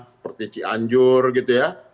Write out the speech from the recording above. seperti cianjur gitu ya